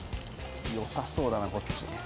よさそうだなこっち。